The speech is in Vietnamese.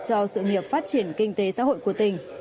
cho sự nghiệp phát triển kinh tế xã hội của tỉnh